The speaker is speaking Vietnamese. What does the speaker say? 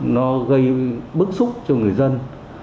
nó gây bức xúc cho người dân